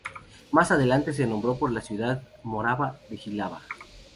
Más adelante se nombró por la ciudad morava de Jihlava.